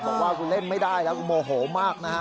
บอกว่ากูเล่นไม่ได้แล้วกูโมโหมากนะฮะ